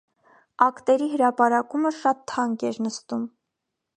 Ակտերի հրապարակումը շատ թանկ էր նստում։